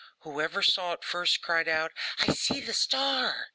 Whoever saw it first cried out, 'I see the star!